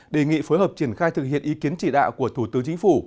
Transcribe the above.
đề nghị phối hợp triển khai thực hiện ý kiến chỉ đạo của thủ tướng chính phủ